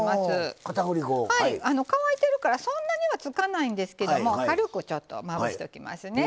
乾いてるからそんなにはつかないんですけども軽くちょっとまぶしておきますね。